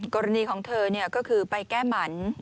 กรณีของเธอก็คือไปแก้หมัน